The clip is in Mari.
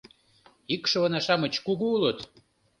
Икшывына-шамыч кугу улыт.